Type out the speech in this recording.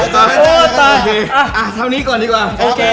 สวัสดีครับทุกคน